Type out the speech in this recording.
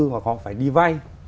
và họ phải đi vay